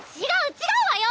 違うわよ！